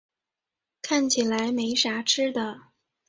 看起来没啥吃的